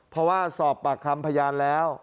เพราะว่าสอบปากคำพยานแล้ว